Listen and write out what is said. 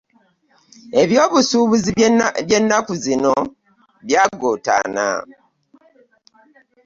Eby'obusubuzi bye nnaku zino byagutaana.